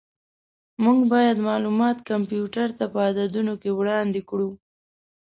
موږ باید معلومات کمپیوټر ته په عددونو کې وړاندې کړو.